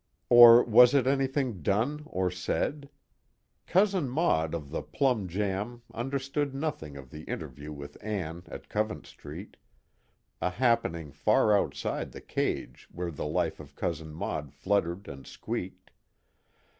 Or was it anything done or said? Cousin Maud of the Plum Jam understood nothing of the interview with Ann at Covent Street, a happening far outside the cage where the life of Cousin Maud fluttered and squeaked.